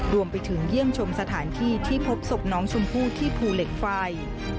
รวมไปถึงเยี่ยมชมสถานที่ที่พบศพน้องชมพู่ที่ภูเหล็กไฟ